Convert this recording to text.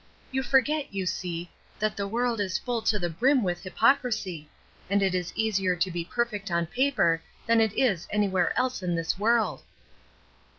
You forget, you see, that the world is full to the brim with hypocrisy; and it is easier to be perfect on paper than it is anywhere else in this world."